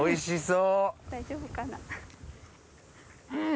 うん！